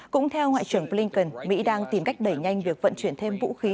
cũng theo ngoại trưởng blinken mỹ đang tìm cách đẩy nhanh việc vận chuyển thêm vũ khí